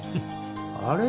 あれ？